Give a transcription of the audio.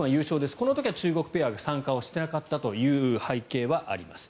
この時は中国ペアが参加していなかったという背景はあります。